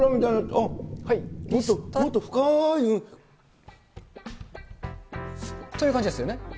あっ、もっと深い色。という感じですよね。